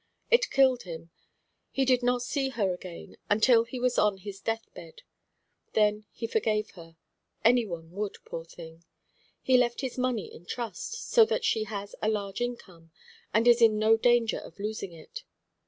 "It killed him. He did not see her again until he was on his death bed. Then he forgave her. Any one would, poor thing. He left his money in trust, so that she has a large income, and is in no danger of losing it.